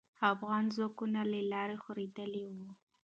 افغان ځواکونه له لرې خورېدلې وو.